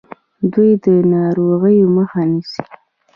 دوی د ناروغیو مخه نیسي.